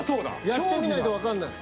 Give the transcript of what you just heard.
やってみないとわかんない。